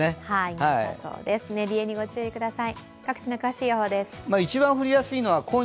寝冷えにご注意ください。